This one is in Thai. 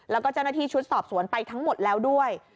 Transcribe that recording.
แล้วก็เจ้าหน้าที่ชุดสอบสวนไปทั้งหมดแล้วด้วย